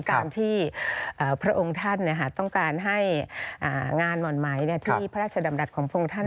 การที่พระองค์ท่านต้องการให้งานหม่อนไม้ที่พระราชดำรัฐของพระองค์ท่าน